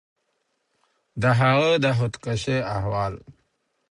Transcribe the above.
د هغه د خودکشي احوال